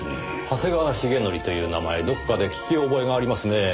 長谷川重徳という名前どこかで聞き覚えがありますねぇ。